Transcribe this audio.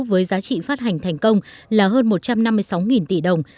với giá trị phát hành thành công là hơn một trăm năm mươi sáu tỷ đồng